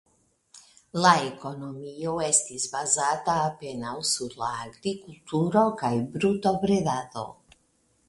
La ekonomio estis bazata apenaŭ sur la agrikulturo kaj brutobredado.